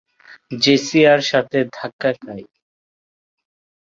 জেসিয়ার সাথে ধাক্কা খাই।